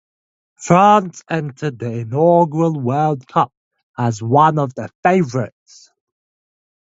France entered the inaugural World Cup as one of the favourites.